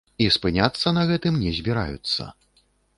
І спыняцца на гэтым не збіраюцца.